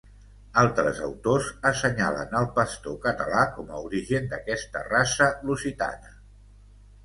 Altres autors assenyalen el pastor català com a origen d'aquesta raça lusitana.